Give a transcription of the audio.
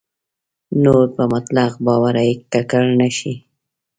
نور په مطلق باورۍ ککړ نه شي.